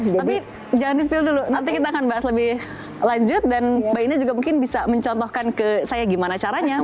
tapi jangan disfill dulu nanti kita akan bahas lebih lanjut dan mbak ina juga mungkin bisa mencontohkan ke saya gimana caranya